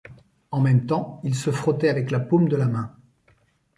En même temps il se frottait avec la paume de la main.